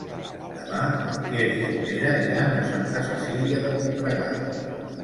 Demà en Quer i en Pere iran a Santa Cecília de Voltregà.